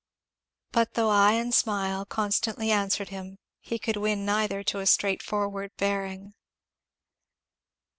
But though eye and smile constantly answered him he could win neither to a straightforward bearing.